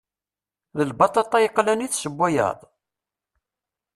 D lbaṭaṭa yeqlan i tessewwayeḍ?